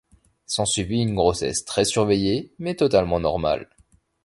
S'ensuivit une grossesse très surveillée mais totalement normale.